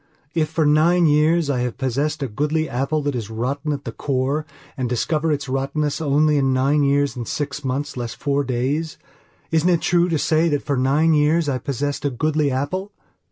If for nine years I have possessed a goodly apple that is rotten at the core and discover its rottenness only in nine years and six months less four days, isn't it true to say that for nine years I possessed a goodly apple?